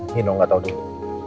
nino nggak tahu dulu